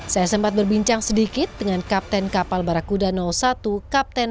saya sempat berbincang sedikit dengan kapten kapal barakuda satu kapten